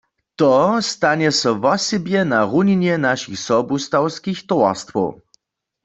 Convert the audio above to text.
To stanje so wosebje na runinje našich sobustawskich towarstwow.